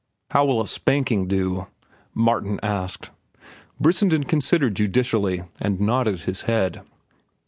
"How will a spanking do?" Martin asked. Brissenden considered judicially, and nodded his head.